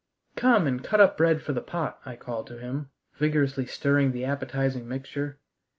"Come and cut up bread for the pot," I called to him, vigorously stirring the appetizing mixture.